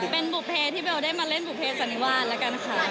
เป็นบุเพที่เบลได้มาเล่นบุเภสันนิวาสแล้วกันค่ะ